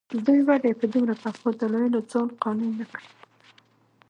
دوی ولې په دومره پخو دلایلو ځان قانع نه کړي.